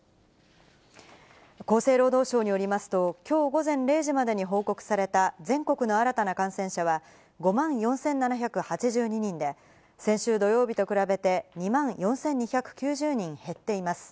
厚生労働省によりますと、きょう午前０時までに報告された全国の新たな感染者は、５万４７８２人で、先週土曜日と比べて２万４２９０人減っています。